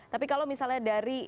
tapi kalau misalnya dari